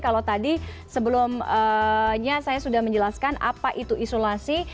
kalau tadi sebelumnya saya sudah menjelaskan apa itu isolasi